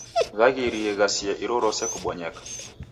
W'aghirie ghasia irorose kubonyeka.